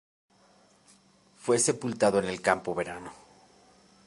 Fue sepultado en el Campo Verano.